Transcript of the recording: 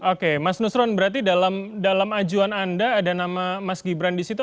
oke mas nusron berarti dalam ajuan anda ada nama mas gibran di situ